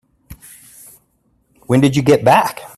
When did you get back?